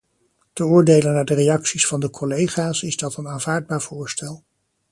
Te oordelen naar de reacties van de collega's is dat een aanvaardbaar voorstel.